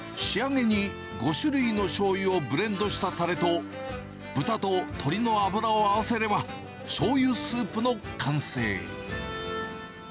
仕上げに５種類のしょうゆをブレンドしたたれと、豚と鶏の油を合わせれば、しょうゆスープの完成。